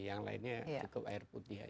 yang lainnya cukup air putih ya